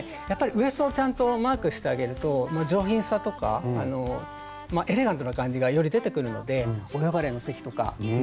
やっぱりウエストをちゃんとマークしてあげると上品さとかエレガントな感じがより出てくるのでお呼ばれの席とか